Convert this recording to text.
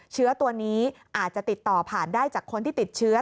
เชื้อตัวนี้อาจจะติดต่อผ่านได้จากคนที่ติดเชื้อ